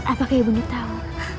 apakah ibu nia tahu